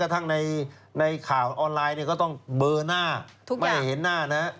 ทั้งในข่าวออนไลน์ก็ต้องเบอร์หน้าไม่ให้เห็นหน้านะ